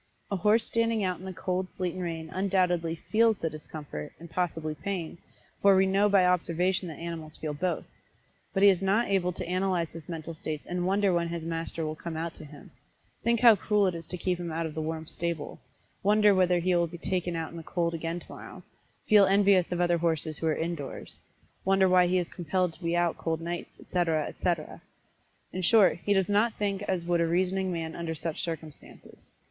A horse standing out in the cold sleet and rain undoubtedly feels the discomfort, and possibly pain, for we know by observation that animals feel both. But he is not able to analyze his mental states and wonder when his master will come out to him think how cruel it is to keep him out of the warm stable wonder whether he will be taken out in the cold again tomorrow feel envious of other horses who are indoors wonder why he is compelled to be out cold nights, etc., etc., in short, he does not think as would a reasoning man under such circumstances.